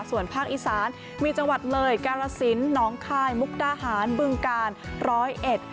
ส่วนภาคอีสานมีจังหวัดเลยกาลสินน้องคายมุกดาหารบึงกาลร้อยเอ็ด